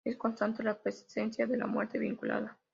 Es constante la presencia de la muerte vinculada.